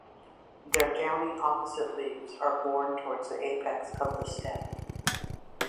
Their downy opposite leaves are borne towards the apex of the stem.